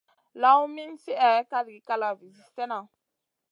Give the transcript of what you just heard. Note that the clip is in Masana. Lawn min slihè kalgi kalavi zi slena.